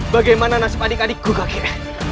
bagaimana nasib adik adikku kakek